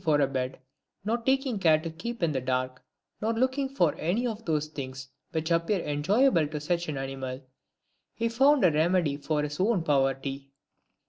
225 for a bed, nor taking care to keep in the dark, nor looking for any of those things which appear enjoyable to such an animal, he found a remedy for his own poverty.